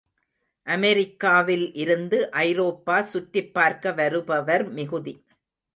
அமெரிக்காவில் இருந்து ஐரோப்பா சுற்றிப் பார்க்க வருபவர் மிகுதி.